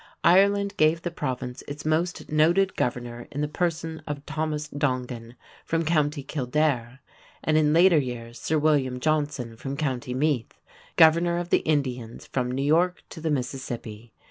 Ireland gave the Province its most noted governor in the person of Thomas Dongan from Co. Kildare, and in later years Sir William Johnson from Co. Meath, governor of the Indians from New York to the Mississippi.